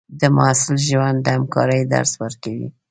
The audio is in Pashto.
د محصل ژوند د همکارۍ درس ورکوي.